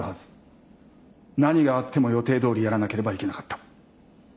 何があっても予定どおりやらなければいけなかった。